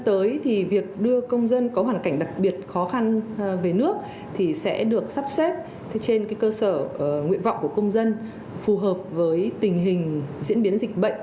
trên cơ sở nguyện vọng của công dân phù hợp với tình hình diễn biến dịch bệnh